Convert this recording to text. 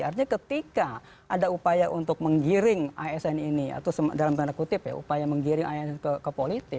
artinya ketika ada upaya untuk menggiring asn ini atau dalam tanda kutip ya upaya menggiring asn ke politik